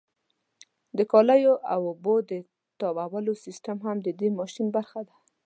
د کالیو او اوبو د تاوولو سیستم هم د دې ماشین برخه ده.